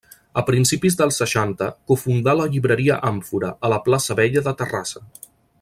A principis dels seixanta, cofundà la llibreria Àmfora, a la Plaça Vella de Terrassa.